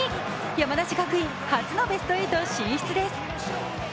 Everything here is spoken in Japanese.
山梨学院初のベスト８進出です。